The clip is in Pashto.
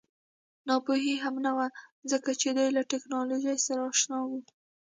ناپوهي هم نه وه ځکه چې دوی له ټکنالوژۍ سره اشنا وو